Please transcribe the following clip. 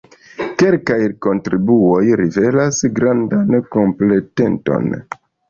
Kelkaj kontribuoj rivelas grandan kompetenton.